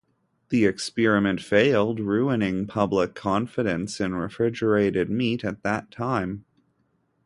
The experiment failed, ruining public confidence in refrigerated meat at that time.